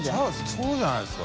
そうじゃないですか？